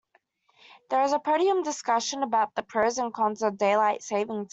There's a podium discussion about the pros and cons of daylight saving time.